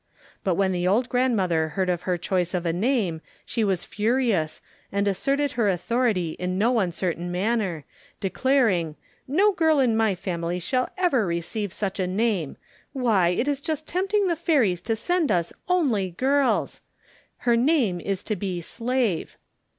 But when the old grandmother heard of her choice of a name she was furious, and asserted her authority in no uncertain manner, declaring, "No girl in my family will ever receive such a name. Why! it is just tempting the fairies to send us only girls. Her name is to be SLAVE."